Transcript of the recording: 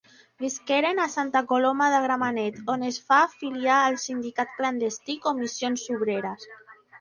Visqueren a Santa Coloma de Gramenet, on es va afiliar al sindicat clandestí Comissions Obreres.